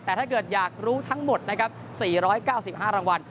แต่ถ้าเกิดอยากรู้ทั้งหมดนะครับ๔๙๕รางวัล